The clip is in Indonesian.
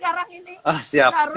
harus meraiksa pasien pasien tadi